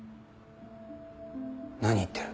何言ってる？